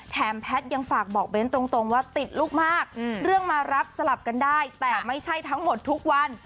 แพทย์ยังฝากบอกเบ้นตรงว่าติดลูกมากเรื่องมารับสลับกันได้แต่ไม่ใช่ทั้งหมดทุกวัน